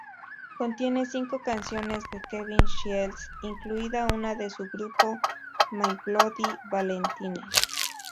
Contiene cinco canciones de Kevin Shields, incluida una de su grupo My Bloody Valentine.